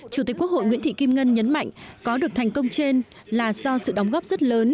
chủ tịch quốc hội nguyễn thị kim ngân nhấn mạnh có được thành công trên là do sự đóng góp rất lớn